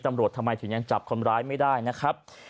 ทำไมถึงยังจับคนร้ายไม่ได้นะครับ